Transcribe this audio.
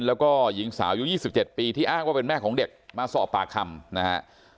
แล้วก็หญิงสาวอายุ๒๗ปีที่อ้างว่าเป็นแม่ของเด็กมาสอบปากคำนะฮะ